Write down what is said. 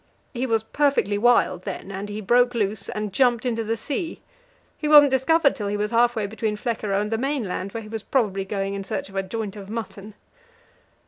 He was perfectly wild then, and he broke loose and jumped into the sea. He wasn't discovered till he was half way between Flekkerö and the mainland, where he was probably going in search of a joint of mutton.